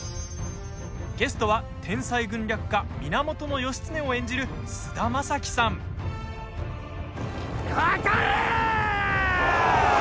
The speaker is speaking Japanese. ゲストは天才軍略家・源義経を演じるかかれ！